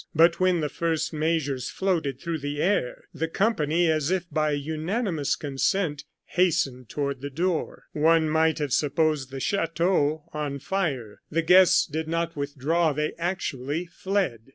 But when the first measures floated through the air, the company, as if by unanimous consent, hastened toward the door. One might have supposed the chateau on fire the guests did not withdraw, they actually fled.